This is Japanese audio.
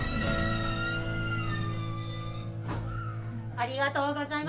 ありがとうございます。